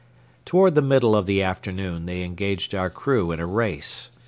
Toward the middle of the afternoon they engaged our crew in a race.